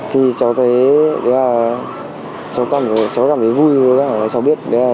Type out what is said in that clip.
thì cháu thấy cháu cảm thấy vui cháu biết đấy là vi phạm pháp luật ạ